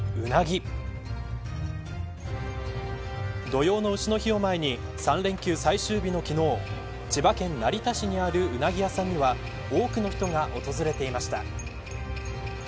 土用の丑の日を前に３連休最終日の昨日千葉県成田市にあるウナギ屋さんには多くの人が訪れていました。